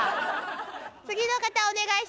次の方お願いします。